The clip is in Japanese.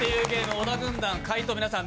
小田軍団、回答皆さん